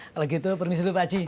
kalo gitu permisi dulu pak ji